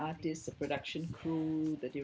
artis kru produksi perempuan